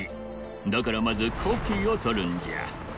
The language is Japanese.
だからまずコピーをとるんじゃ。